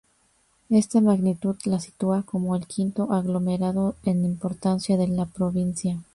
Esta magnitud la sitúa como el quinto aglomerado en importancia de la provincia.